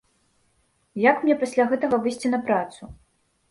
Як мне пасля гэтага выйсці на працу?